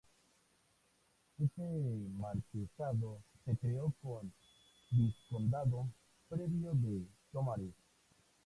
Este Marquesado se creó con el Vizcondado previo de "Tomares".